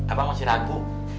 abang masih ragu